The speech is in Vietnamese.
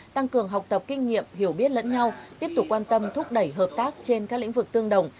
tăng cường học tập kinh nghiệm hiểu biết lẫn nhau tiếp tục quan tâm thúc đẩy hợp tác trên các lĩnh vực tương đồng